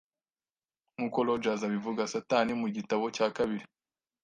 Nkuko Rogers abivuga: "Satani mu gitabo cya kabiri